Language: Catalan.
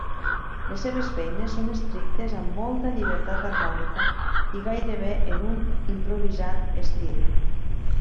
Les seves feines són escrites amb molta llibertat harmònica i gairebé en un improvisat estil.